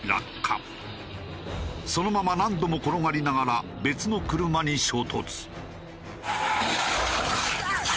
そのまま何度も転がりながら別の車に衝突。